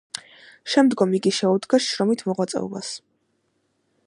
შემდგომ იგი შეუდგა შრომით მოღვაწეობას.